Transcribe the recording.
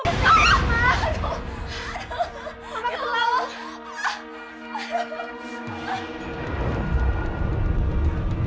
ma ada yang terlalu